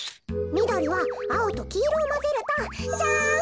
みどりはあおときいろをまぜるとジャン。